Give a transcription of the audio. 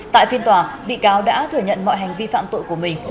tại phiên tòa bị cáo đã thừa nhận mọi hành vi phạm tội của mình